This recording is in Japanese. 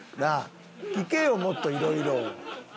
聞けよもっといろいろ。